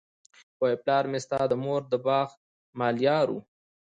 وايي پلار مي ستا د مور د باغ ملیار وو